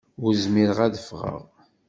Ur zmireɣ ad afgeɣ.